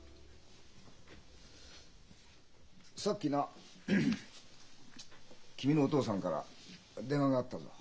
さっきな君のお父さんから電話があったんだ。